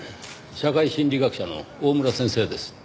社会心理学者の大村先生です。